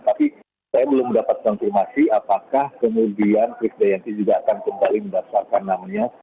tapi saya belum mendapatkan konfirmasi apakah kemudian chris dayanti juga akan kembali mendaftarkan namanya